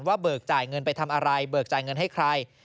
เบิกจ่ายเงินไปทำอะไรเบิกจ่ายเงินให้ใคร